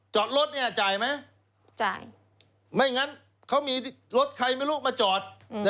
จอดรถเนี่ยจ่ายไหมจ่ายไม่งั้นเขามีรถใครไม่รู้มาจอด